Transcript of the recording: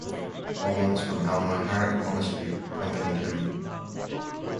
Four monks from Al Muharraq Monastery accompanied him.